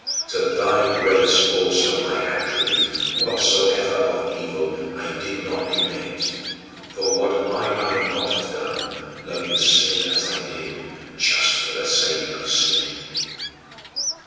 To thy grace also I attribute whatsoever of evil I did not commit for what might I not have done, loving sin as I did, just for the sake of sinning?